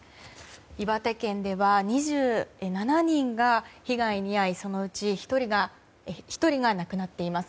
岩手県では２７人が被害に遭いそのうち１人が亡くなっています。